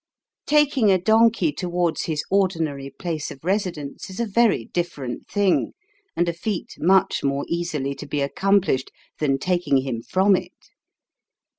At the Library. 263 Taking a donnoy towards his ordinary place of residence, is a very different thing, and a feat much more easily to be accomplished, than taking him from it.